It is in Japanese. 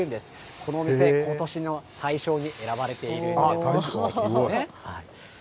このお店、ことしの大賞に選ばれているんです。